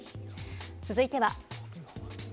続いては。